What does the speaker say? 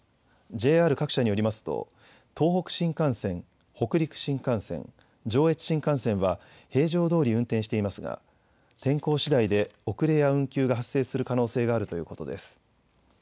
ＪＲ各社によりますと、東北新幹線、北陸新幹線、上越新幹線は、平常どおり運転していますが、天候しだいで遅れや運休が発生する可能性があるということです。